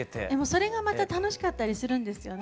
それがまた楽しかったりするんですよね。